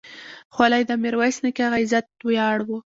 خولۍ د میرویس نیکه عزت ویاړ و.